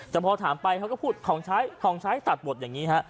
แต่พอถามไปเขาก็พูดของใช้ตัดหมดอย่างนี้